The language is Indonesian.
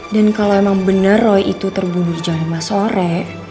dan kalau emang bener roy itu terbunuh di jam lima sore